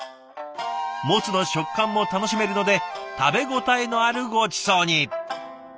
モツの食感も楽しめるので食べ応えのあるごちそうに。